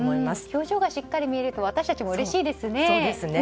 表情がしっかり見えると私たちもうれしいですね。